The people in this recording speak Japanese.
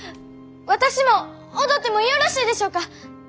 私も踊ってもよろしいでしょうか！